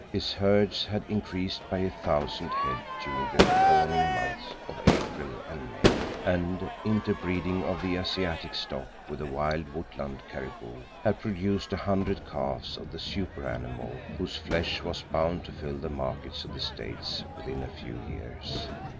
His herds had increased by a thousand head during the fawning months of April and May, and interbreeding of the Asiatic stock with wild, woodland caribou had produced a hundred calves of the super animal whose flesh was bound to fill the markets of the States within a few years.